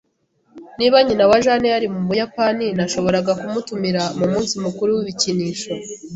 Niba nyina wa Jane yari mu Buyapani, nashoboraga kumutumira mu munsi mukuru w’ibikinisho.